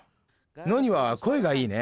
ノニは声がいいね。